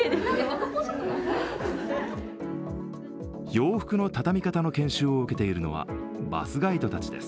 洋服の畳み方の研修を受けているのはバスガイドたちです。